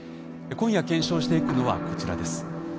今夜検証していくのはこちらです。